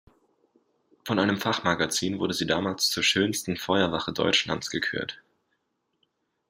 Von einem Fachmagazin wurde sie damals zur ""schönsten Feuerwache Deutschlands"" gekürt.